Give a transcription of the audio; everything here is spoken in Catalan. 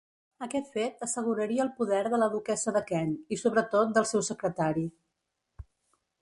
Aquest fet asseguraria el poder de la duquessa de Kent i sobretot del seu secretari.